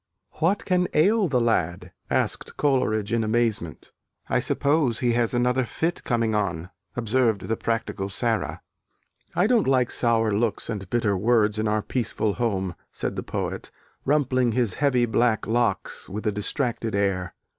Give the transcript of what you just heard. "What can ail the lad?" asked Coleridge, in amazement. "I suppose he has another fit coming on," observed the practical Sara. "I don't like sour looks and bitter words in our peaceful home," said the poet, rumpling his heavy black locks with a distracted air.